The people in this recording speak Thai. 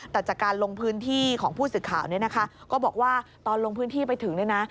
แต่จากการลงพื้นที่ของผู้สื่อข่าวเนี่ยนะคะก็บอกว่าตอนลงพื้นที่ไปถึงเนี่ยนะ